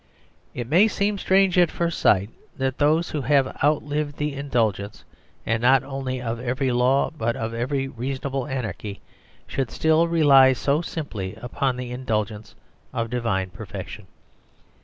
It may seem strange at first sight that those who have outlived the indulgence, and not only of every law, but of every reasonable anarchy, should still rely so simply upon the indulgence of divine perfection.